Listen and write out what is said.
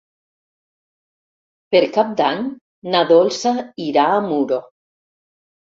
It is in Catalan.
Per Cap d'Any na Dolça irà a Muro.